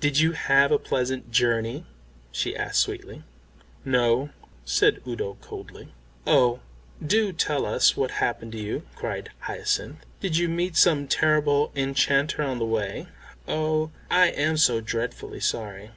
"Did you have a pleasant journey?" she asked sweetly. "No," said Udo coldly. "Oh, do tell us what happened to you?" cried Hyacinth. "Did you meet some terrible enchanter on the way? Oh, I am so dreadfully sorry."